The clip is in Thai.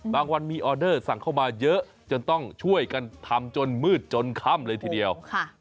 วันมีออเดอร์สั่งเข้ามาเยอะจนต้องช่วยกันทำจนมืดจนค่ำเลยทีเดียว